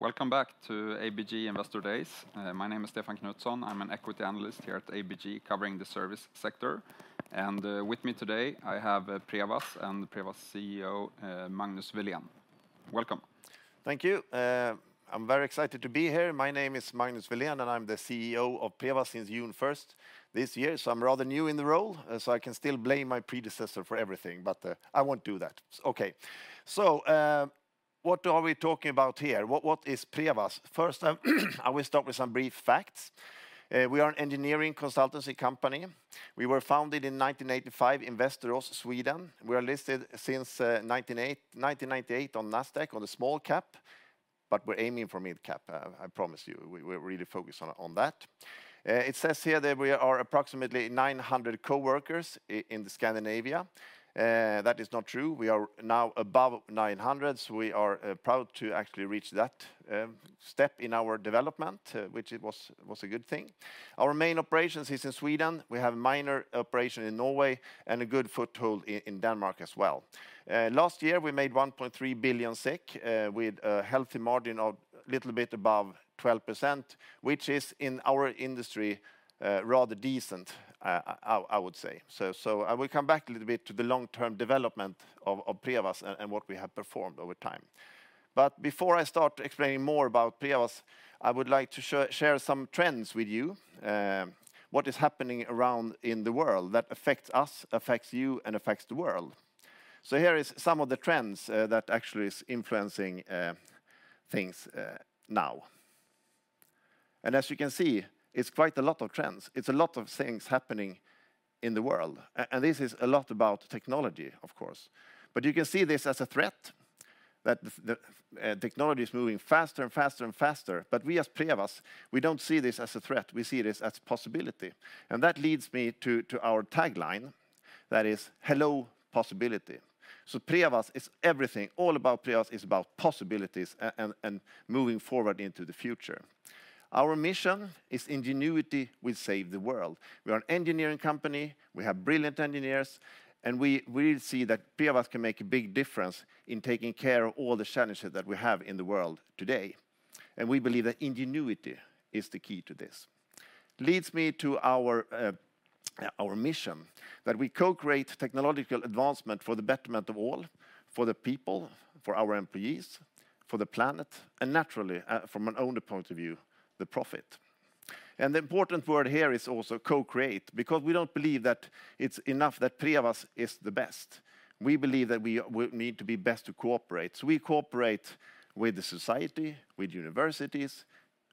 Welcome back to ABG Investor Days. My name is Stefan Knutsson. I'm an equity analyst here at ABG, covering the service sector, and with me today, I have Prevas and Prevas CEO Magnus Welén. Welcome. Thank you. I'm very excited to be here. My name is Magnus Welén, and I'm the CEO of Prevas since June 1st this year, so I'm rather new in the role, so I can still blame my predecessor for everything, but, I won't do that. Okay. So, what are we talking about here? What, what is Prevas? First, I will start with some brief facts. We are an engineering consultancy company. We were founded in 1985 in Västerås, Sweden. We are listed since 1998 on Nasdaq on the small cap, but we're aiming for mid cap. I promise you, we're really focused on that. It says here that we are approximately 900 coworkers in Scandinavia. That is not true. We are now above 900, so we are proud to actually reach that step in our development, which it was a good thing. Our main operations is in Sweden. We have minor operation in Norway and a good foothold in Denmark as well. Last year, we made 1.3 billion SEK with a healthy margin of little bit above 12%, which is, in our industry, rather decent, I would say. So I will come back a little bit to the long-term development of Prevas and what we have performed over time. But before I start explaining more about Prevas, I would like to share some trends with you, what is happening around in the world that affects us, affects you, and affects the world. So here is some of the trends that actually is influencing things now. And as you can see, it's quite a lot of trends. It's a lot of things happening in the world, and this is a lot about technology, of course. But you can see this as a threat, that the technology is moving faster and faster and faster, but we, as Prevas, we don't see this as a threat. We see this as possibility, and that leads me to our tagline, that is, "Hello, possibility!" So Prevas is everything. All about Prevas is about possibilities and moving forward into the future. Our mission is ingenuity will save the world. We are an engineering company. We have brilliant engineers, and we, we see that Prevas can make a big difference in taking care of all the challenges that we have in the world today, and we believe that ingenuity is the key to this. Leads me to our, our mission, that we co-create technological advancement for the betterment of all, for the people, for our employees, for the planet, and naturally, from an owner point of view, the profit. The important word here is also co-create, because we don't believe that it's enough that Prevas is the best. We believe that we, we need to be best to cooperate, so we cooperate with the society, with universities,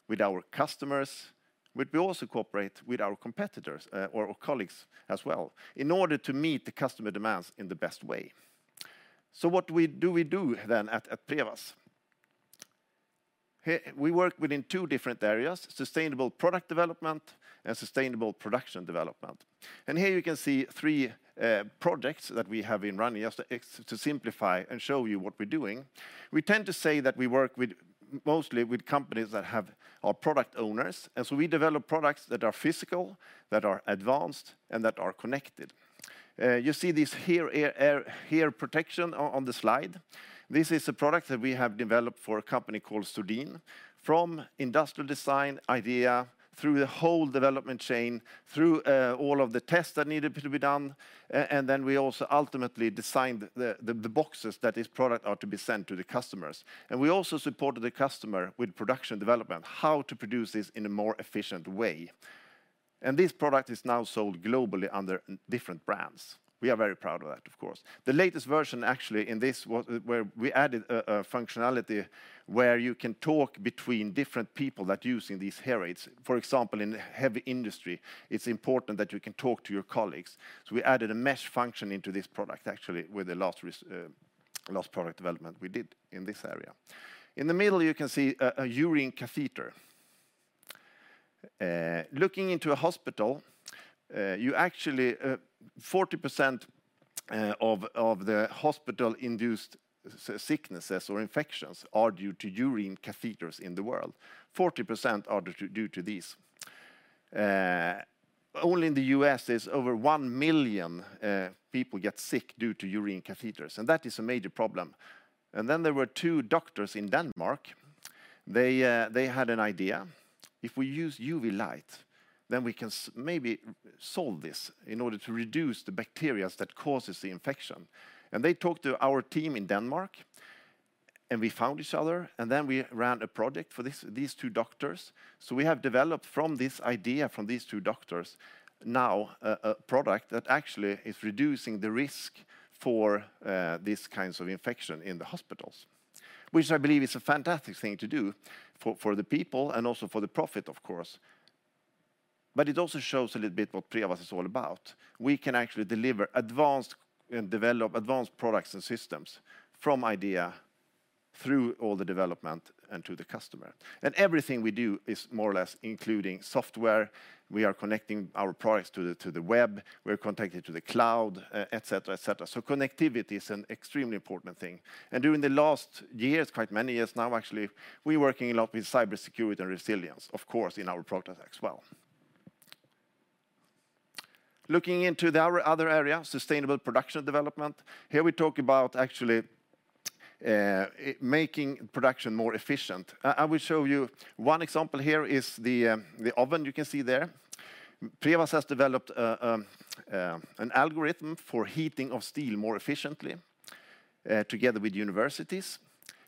with our customers, but we also cooperate with our competitors, or our colleagues as well, in order to meet the customer demands in the best way. So what do we do, then, at Prevas? We work within two different areas: sustainable product development and sustainable production development. And here you can see three projects that we have been running just to simplify and show you what we're doing. We tend to say that we work with, mostly with companies that have... are product owners, and so we develop products that are physical, that are advanced, and that are connected. You see this ear protection on the slide. This is a product that we have developed for a company called Sordin. From industrial design idea through the whole development chain, through all of the tests that needed to be done, and then we also ultimately designed the boxes that this product are to be sent to the customers. We also supported the customer with production development, how to produce this in a more efficient way, and this product is now sold globally under different brands. We are very proud of that, of course. The latest version, actually, in this where we added a functionality where you can talk between different people that using these hearing aids. For example, in heavy industry, it's important that you can talk to your colleagues, so we added a mesh function into this product, actually, with the last product development we did in this area. In the middle, you can see a urine catheter. Looking into a hospital, you actually 40% of the hospital-induced sicknesses or infections are due to urine catheters in the world. 40% are due to this. Only in the U.S. is over 1 million people get sick due to urine catheters, and that is a major problem. Then there were two doctors in Denmark; they had an idea: "If we use UV light, then we can maybe solve this in order to reduce the bacteria that causes the infection." They talked to our team in Denmark, and we found each other, and then we ran a project for these two doctors. So we have developed from this idea, from these two doctors, now a product that actually is reducing the risk for these kinds of infection in the hospitals, which I believe is a fantastic thing to do for the people and also for the profit, of course. But it also shows a little bit what Prevas is all about. We can actually deliver advanced and develop advanced products and systems from idea through all the development and to the customer, and everything we do is more or less including software. We are connecting our products to the web. We're connected to the cloud, so connectivity is an extremely important thing. And during the last years, quite many years now, actually, we're working a lot with cybersecurity and resilience, of course, in our products as well. Looking into the other area, sustainable production development. Here we talk about actually making production more efficient. I will show you one example here is the oven you can see there. Prevas has developed an algorithm for heating of steel more efficiently together with universities.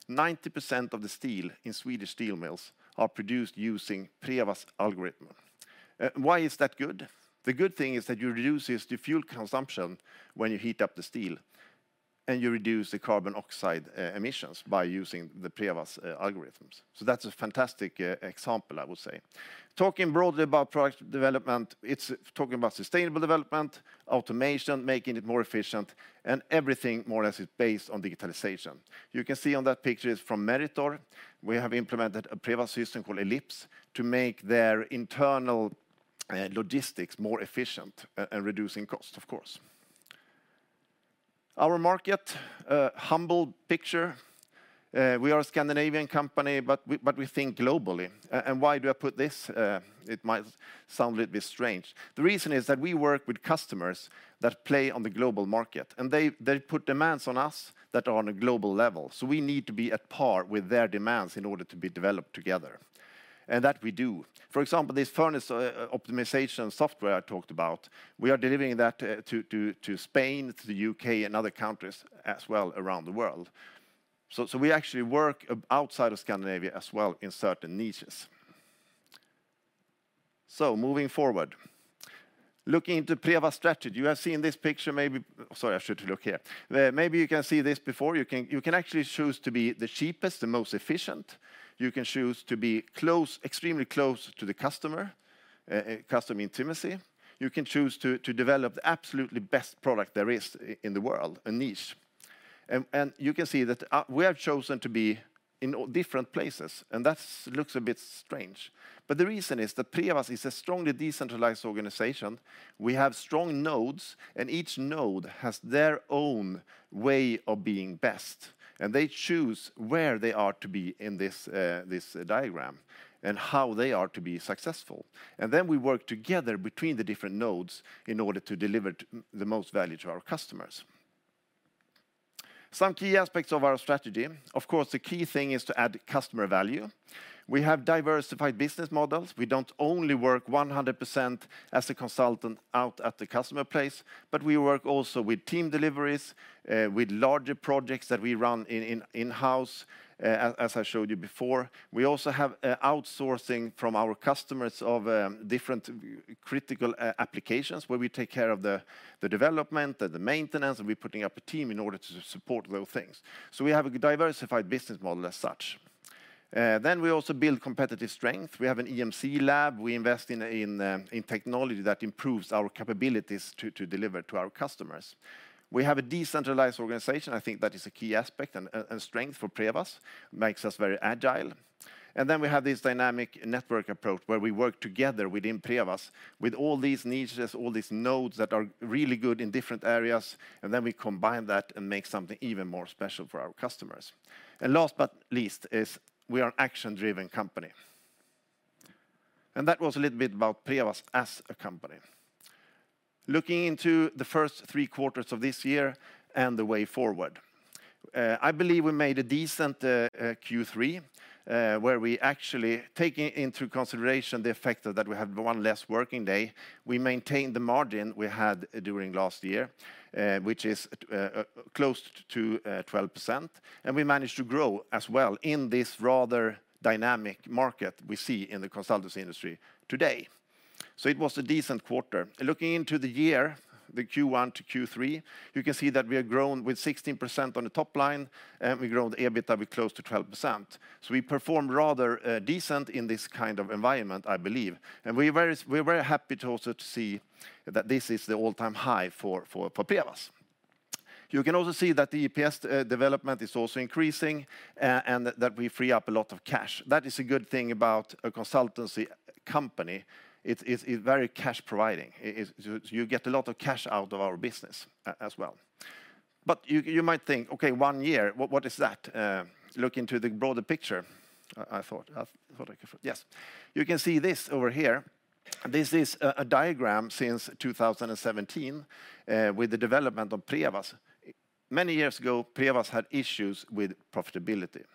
90% of the steel in Swedish steel mills are produced using Prevas algorithm. Why is that good? The good thing is that you reduces the fuel consumption when you heat up the steel, and you reduce the carbon dioxide emissions by using the Prevas algorithms. So that's a fantastic example, I would say. Talking broadly about product development, it's talking about sustainable development, automation, making it more efficient, and everything more as it's based on digitalization. You can see on that picture is from Meritor. We have implemented a Prevas system called LIPS to make their internal logistics more efficient and reducing cost, of course. Our market humble picture. We are a Scandinavian company, but we, but we think globally. And why do I put this? It might sound a little bit strange. The reason is that we work with customers that play on the global market, and they put demands on us that are on a global level, so we need to be at par with their demands in order to be developed together, and that we do. For example, this furnace optimization software I talked about, we are delivering that to Spain, to the U.K., and other countries as well around the world. So we actually work outside of Scandinavia as well, in certain niches. So moving forward. Looking into Prevas strategy, you have seen this picture, maybe... Sorry, I should look here. Maybe you can see this before. You can actually choose to be the cheapest and most efficient. You can choose to be close, extremely close to the customer, customer intimacy. You can choose to develop the absolutely best product there is in the world, a niche. And you can see that we have chosen to be in different places, and that looks a bit strange. But the reason is that Prevas is a strongly decentralized organization. We have strong nodes, and each node has their own way of being best, and they choose where they are to be in this this diagram, and how they are to be successful. And then we work together between the different nodes in order to deliver the most value to our customers. Some key aspects of our strategy. Of course, the key thing is to add customer value. We have diversified business models. We don't only work 100% as a consultant out at the customer place, but we work also with team deliveries with larger projects that we run in-house, as I showed you before. We also have outsourcing from our customers of different critical applications, where we take care of the development and the maintenance, and we're putting up a team in order to support those things. So we have a diversified business model as such. Then we also build competitive strength. We have an EMC lab. We invest in technology that improves our capabilities to deliver to our customers. We have a decentralized organization. I think that is a key aspect and strength for Prevas, makes us very agile. And then we have this dynamic network approach, where we work together within Prevas with all these niches, all these nodes that are really good in different areas, and then we combine that and make something even more special for our customers. And last but least, is we are action-driven company. And that was a little bit about Prevas as a company. Looking into the first three quarters of this year and the way forward. I believe we made a decent Q3, where we actually, taking into consideration the effect that we had one less working day, we maintained the margin we had during last year, which is close to 12%, and we managed to grow as well in this rather dynamic market we see in the consultancy industry today. So it was a decent quarter. Looking into the year, the Q1 to Q3, you can see that we have grown with 16% on the top line, and we grown the EBITDA close to 12%. So we performed rather decent in this kind of environment, I believe, and we're very happy to also see that this is the all-time high for Prevas. You can also see that the EPS development is also increasing, and that we free up a lot of cash. That is a good thing about a consultancy company. It's very cash providing. You get a lot of cash out of our business as well. But you might think, "Okay, one year, what is that?" Look into the broader picture. I thought I could... Yes. You can see this over here. This is a diagram since 2017 with the development of Prevas. Many years ago, Prevas had issues with profitability.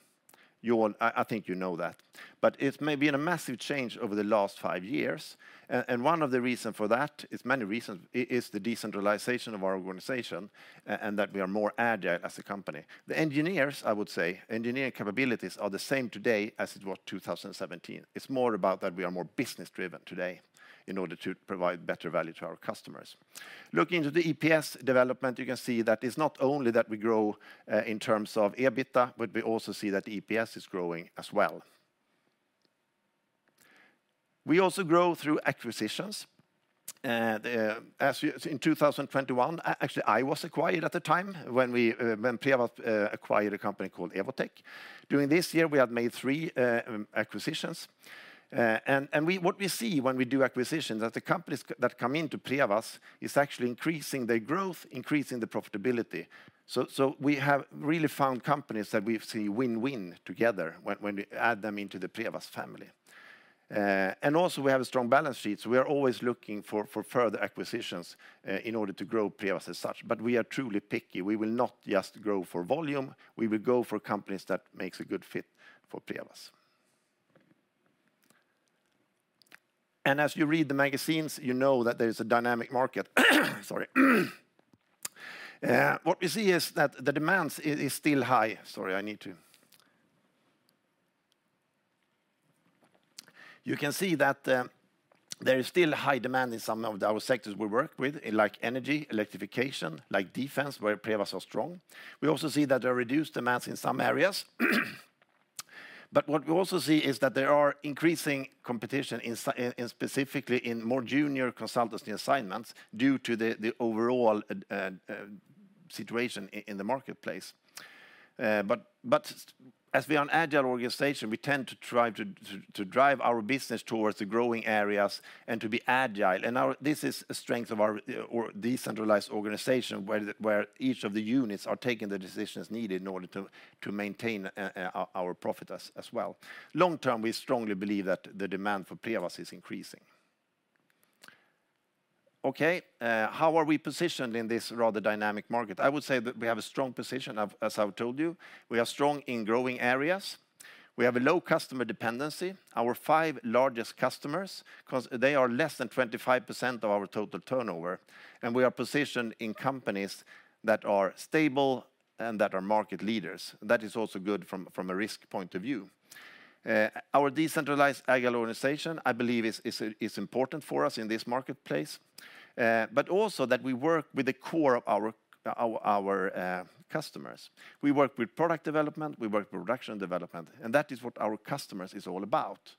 You all—I think you know that. But it may been a massive change over the last five years, and one of the reason for that, it's many reasons, is the decentralization of our organization, and that we are more agile as a company. The engineers, I would say, engineering capabilities are the same today as it was 2017. It's more about that we are more business-driven today in order to provide better value to our customers. Looking into the EPS development, you can see that it's not only that we grow in terms of EBITDA, but we also see that EPS is growing as well. We also grow through acquisitions. As you... In 2021, actually, I was acquired at the time when we, when Prevas acquired a company called Evotech. During this year, we have made three acquisitions. And, what we see when we do acquisitions, that the companies that come into Prevas is actually increasing their growth, increasing the profitability. So, we have really found companies that we've seen win-win together when we add them into the Prevas family.... And also we have a strong balance sheet, so we are always looking for further acquisitions in order to grow Prevas as such, but we are truly picky. We will not just grow for volume; we will go for companies that makes a good fit for Prevas. And as you read the magazines, you know that there is a dynamic market. Sorry. What we see is that the demands is still high. Sorry, I need to... You can see that there is still high demand in some of our sectors we work with, like energy, electrification, like defense, where Prevas are strong. We also see that there are reduced demands in some areas. But what we also see is that there are increasing competition in specifically in more junior consultancy assignments due to the overall situation in the marketplace. But as we are an agile organization, we tend to try to drive our business towards the growing areas and to be agile. And this is a strength of our decentralized organization, where each of the units are taking the decisions needed in order to maintain our profit as well. Long term, we strongly believe that the demand for Prevas is increasing. Okay, how are we positioned in this rather dynamic market? I would say that we have a strong position. As I told you, we are strong in growing areas. We have a low customer dependency. Our five largest customers, because they are less than 25% of our total turnover, and we are positioned in companies that are stable and that are market leaders. That is also good from a risk point of view. Our decentralized agile organization, I believe, is important for us in this marketplace, but also that we work with the core of our customers. We work with product development, we work with production development, and that is what our customers is all about.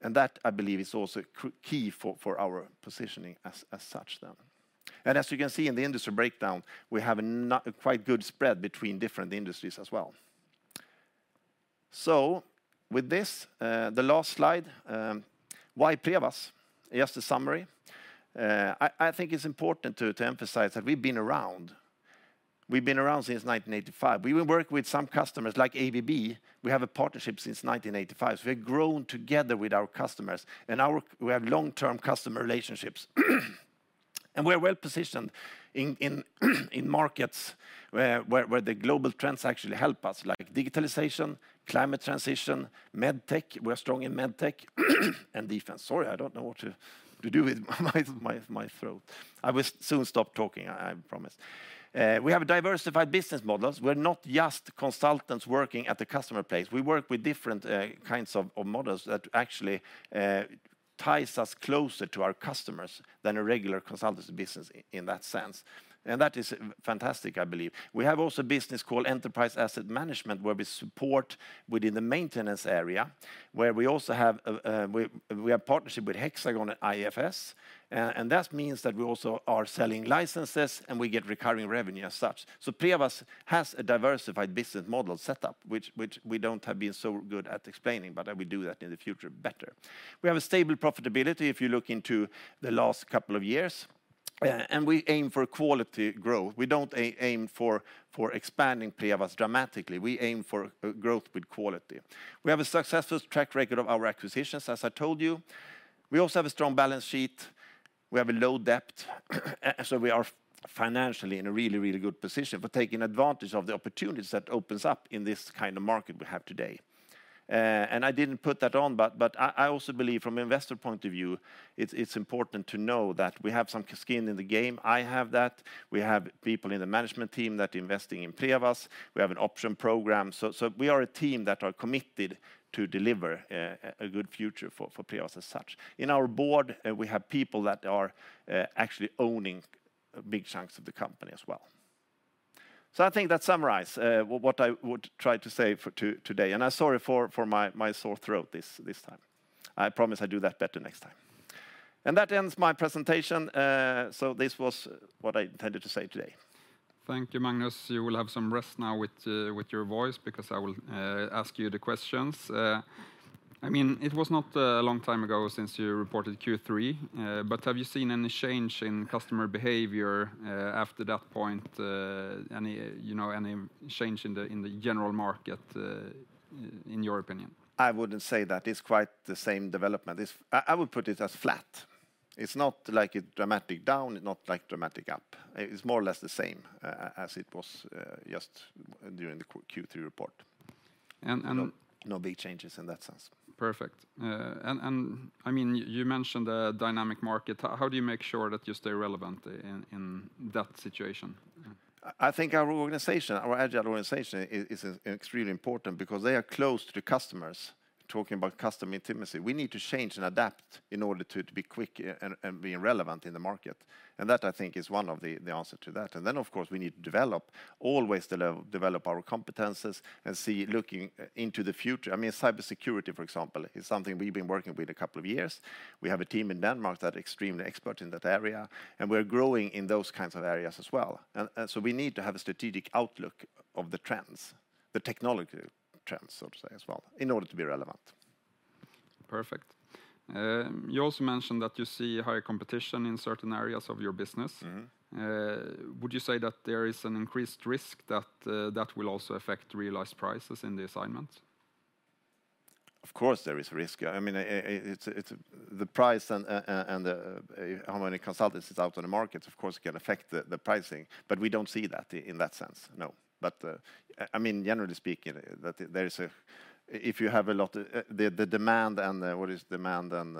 And that, I believe, is also key for our positioning as such then. And as you can see in the industry breakdown, we have a quite good spread between different industries as well. So with this, the last slide, why Prevas? Just a summary. I think it's important to emphasize that we've been around. We've been around since 1985. We've been working with some customers, like ABB, we have a partnership since 1985, so we've grown together with our customers, and we have long-term customer relationships. We're well-positioned in markets where the global trends actually help us, like digitalization, climate transition, MedTech. We're strong in MedTech, and defense. Sorry, I don't know what to do with my throat. I will soon stop talking, I promise. We have a diversified business models. We're not just consultants working at the customer place. We work with different kinds of models that actually ties us closer to our customers than a regular consultancy business in that sense, and that is fantastic, I believe. We have also a business called Enterprise Asset Management, where we support within the maintenance area, where we also have a partnership with Hexagon and IFS, and that means that we also are selling licenses, and we get recurring revenue as such. So Prevas has a diversified business model set up, which we don't have been so good at explaining, but I will do that in the future better. We have a stable profitability if you look into the last couple of years, and we aim for quality growth. We don't aim for expanding Prevas dramatically. We aim for growth with quality. We have a successful track record of our acquisitions, as I told you. We also have a strong balance sheet. We have a low debt, so we are financially in a really, really good position for taking advantage of the opportunities that opens up in this kind of market we have today. And I didn't put that on, but I also believe from an investor point of view, it's important to know that we have some skin in the game. I have that. We have people in the management team that are investing in Prevas. We have an option program. So we are a team that are committed to deliver a good future for Prevas as such. In our board, we have people that are actually owning big chunks of the company as well. So I think that summarize what I would try to say today, and I'm sorry for my sore throat this time. I promise I do that better next time. And that ends my presentation. So this was what I intended to say today. Thank you, Magnus. You will have some rest now with, with your voice, because I will ask you the questions. I mean, it was not a long time ago since you reported Q3, but have you seen any change in customer behavior, after that point? Any, you know, any change in the, in the general market, in your opinion? I wouldn't say that. It's quite the same development. I would put it as flat. It's not like a dramatic down, not like dramatic up. It's more or less the same as it was just during the Q3 report. And, and- No big changes in that sense. Perfect. And, I mean, you mentioned a dynamic market. How do you make sure that you stay relevant in that situation? I think our organization, our agile organization, is extremely important because they are close to the customers, talking about customer intimacy. We need to change and adapt in order to be quick and being relevant in the market, and that, I think, is one of the answer to that. And then, of course, we need to develop, always develop our competences and see, looking into the future. I mean, cybersecurity, for example, is something we've been working with a couple of years. We have a team in Denmark that are extremely expert in that area, and we're growing in those kinds of areas as well. And so we need to have a strategic outlook of the trends, the technology trends, so to say, as well, in order to be relevant. Perfect.... You also mentioned that you see higher competition in certain areas of your business. Would you say that there is an increased risk that will also affect realized prices in the assignments? Of course, there is risk. I mean, it's the price and and the how many consultants is out on the market, of course, can affect the pricing, but we don't see that in that sense, no. But I mean, generally speaking, that there is a... If you have a lot, the demand and the what is demand and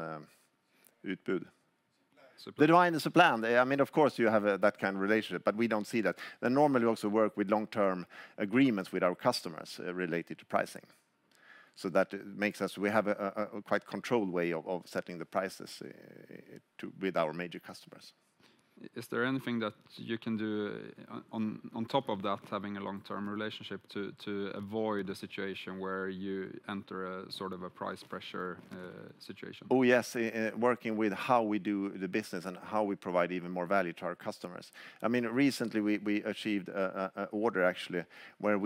supply. The demand and supply. I mean, of course, you have that kind of relationship, but we don't see that. And normally, we also work with long-term agreements with our customers related to pricing. So that makes us we have a quite controlled way of setting the prices with our major customers. Is there anything that you can do on top of that, having a long-term relationship, to avoid a situation where you enter a sort of a price pressure situation? Oh, yes, working with how we do the business and how we provide even more value to our customers. I mean, recently, we achieved an order, actually, where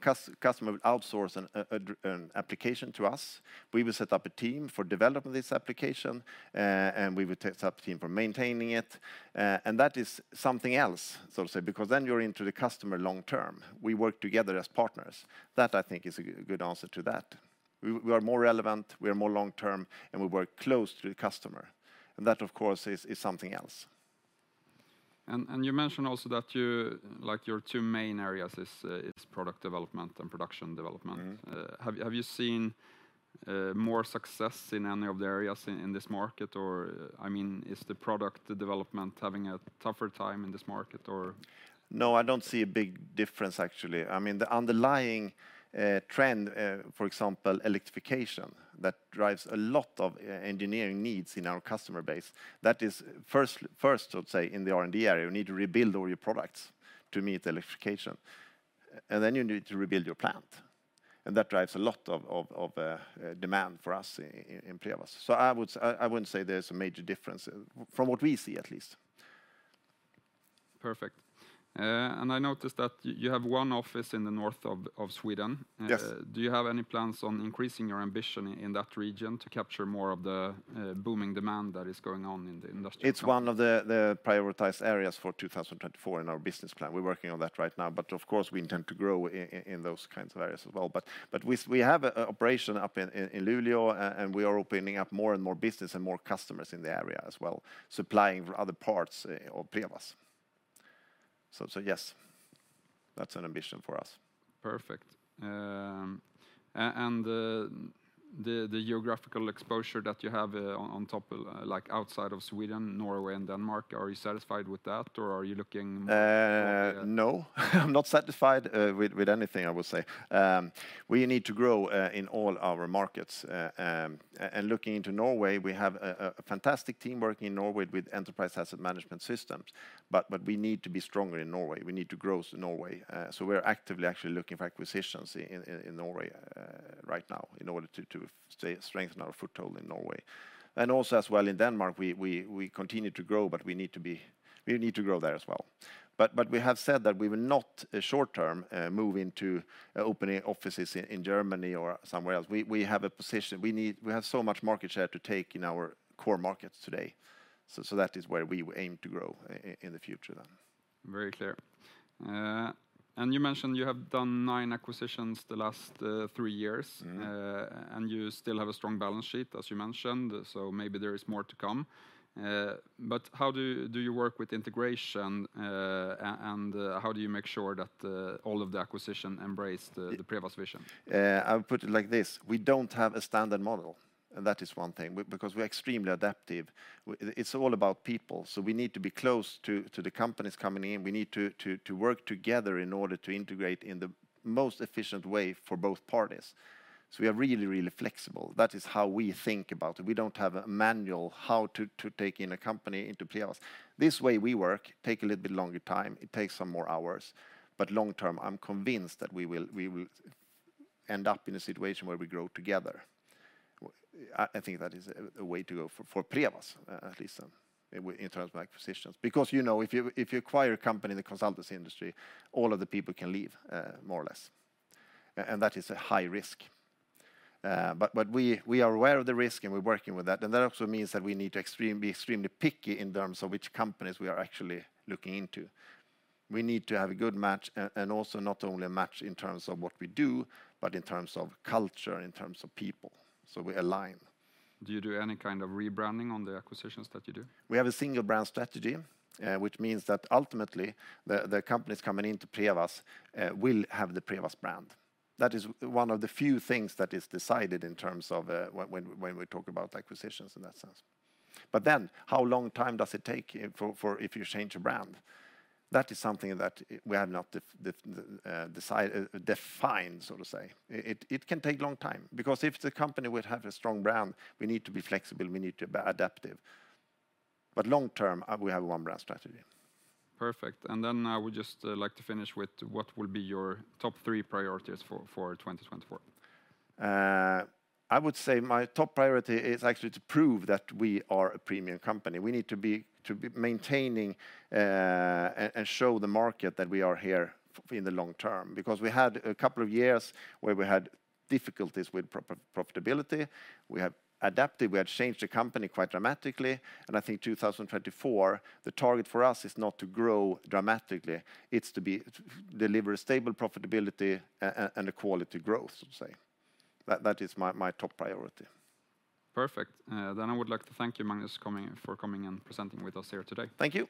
customer will outsource an application to us. We will set up a team for developing this application, and we will set up a team for maintaining it. And that is something else, so to say, because then you're into the customer long term. We work together as partners. That, I think, is a good answer to that. We are more relevant, we are more long term, and we work close to the customer, and that, of course, is something else. You mentioned also that you, like, your two main areas is, it's product development and production development. Have you seen more success in any of the areas in this market? Or, I mean, is the product development having a tougher time in this market, or? No, I don't see a big difference, actually. I mean, the underlying trend, for example, electrification, that drives a lot of engineering needs in our customer base. That is first, I would say, in the R&D area, you need to rebuild all your products to meet electrification, and then you need to rebuild your plant, and that drives a lot of demand for us in Prevas. So I would—I wouldn't say there's a major difference, from what we see at least. Perfect. And I noticed that you have one office in the north of Sweden. Yes. Do you have any plans on increasing your ambition in that region to capture more of the booming demand that is going on in the industrial company? It's one of the prioritized areas for 2024 in our business plan. We're working on that right now, but of course, we intend to grow in those kinds of areas as well. But we have a operation up in Luleå, and we are opening up more and more business and more customers in the area as well, supplying other parts of Prevas. So yes, that's an ambition for us. Perfect. And the geographical exposure that you have, on top, like outside of Sweden, Norway, and Denmark, are you satisfied with that, or are you looking- No, I'm not satisfied with anything, I would say. We need to grow in all our markets. And looking into Norway, we have a fantastic team working in Norway with enterprise asset management systems, but we need to be stronger in Norway. We need to grow in Norway, so we're actively actually looking for acquisitions in Norway right now, in order to strengthen our foothold in Norway. And also as well, in Denmark, we continue to grow, but we need to grow there as well. But we have said that we will not short-term move into opening offices in Germany or somewhere else. We have so much market share to take in our core markets today, so that is where we aim to grow in the future then. Very clear. And you mentioned you have done nine acquisitions the last three years. You still have a strong balance sheet, as you mentioned, so maybe there is more to come. But how do you work with integration, and how do you make sure that all of the acquisitions embrace the Prevas vision? I would put it like this: We don't have a standard model, and that is one thing, because we're extremely adaptive. It's all about people, so we need to be close to the companies coming in. We need to work together in order to integrate in the most efficient way for both parties. So we are really, really flexible. That is how we think about it. We don't have a manual how to take in a company into Prevas. This way we work, take a little bit longer time, it takes some more hours, but long term, I'm convinced that we will end up in a situation where we grow together. I think that is a way to go for Prevas, at least, in terms of acquisitions. Because, you know, if you acquire a company in the consultancy industry, all of the people can leave, more or less, and that is a high risk. But we are aware of the risk, and we're working with that, and that also means that we need to be extremely picky in terms of which companies we are actually looking into. We need to have a good match, and also not only a match in terms of what we do, but in terms of culture, in terms of people, so we align. Do you do any kind of rebranding on the acquisitions that you do? We have a single brand strategy, which means that ultimately, the companies coming into Prevas will have the Prevas brand. That is one of the few things that is decided in terms of when we talk about acquisitions in that sense. But then, how long time does it take for if you change a brand? That is something that we have not defined, so to say. It can take a long time, because if the company would have a strong brand, we need to be flexible, we need to be adaptive. But long term, we have a one-brand strategy. Perfect. And then I would just like to finish with what will be your top three priorities for 2024? I would say my top priority is actually to prove that we are a premium company. We need to be maintaining and show the market that we are here in the long term, because we had a couple of years where we had difficulties with profitability. We have adapted, we have changed the company quite dramatically, and I think 2024, the target for us is not to grow dramatically, it's to deliver a stable profitability and a quality growth, so to say. That is my top priority. Perfect. Then I would like to thank you, Magnus, for coming and presenting with us here today. Thank you.